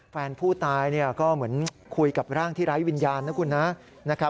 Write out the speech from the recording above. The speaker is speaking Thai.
แฟนผู้ตายก็เหมือนคุยกับร่างที่ไร้วิญญาณนะคุณนะ